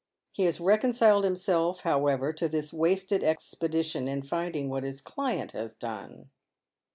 He has reconciled himself, however, to this wasted expedition in finding what his client has done.